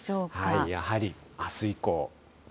やはり、あす以降。